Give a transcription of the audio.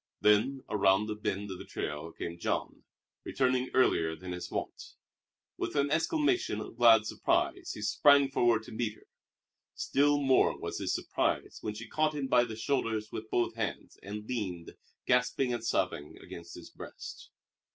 Then around a bend of the trail came Jean, returning earlier than his wont. With an exclamation of glad surprise he sprang forward to meet her. Still more was his surprise when she caught him by the shoulders with both hands and leaned, gasping and sobbing, against his breast.